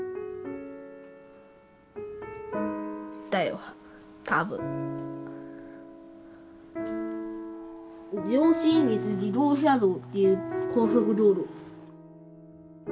上信越自動車道っていう高速道路。